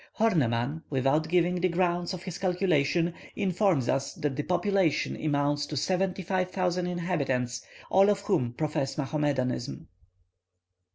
Horneman, without giving the grounds of his calculation, informs us that the population amounts to seventy five thousand inhabitants, all of whom profess Mohammedanism.